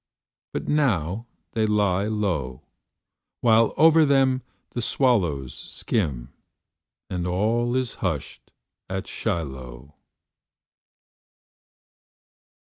But now they lie low, While over them the swallows skim And all is hushed at Shiloh.